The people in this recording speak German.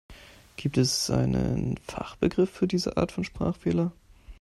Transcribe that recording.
Gibt es einen Fachbegriff für diese Art von Sprachfehler?